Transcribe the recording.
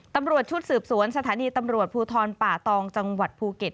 ตำรวจชุดสืบสวนสถานีตำรวจภูทรป่าตองจังหวัดภูเก็ต